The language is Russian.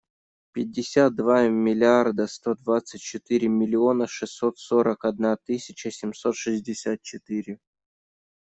Пятьдесят два миллиарда сто двадцать четыре миллиона шестьсот сорок одна тысяча семьсот шестьдесят четыре.